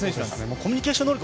コミュニケーション能力